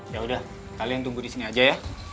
yaudah kalian tunggu di sini aja ya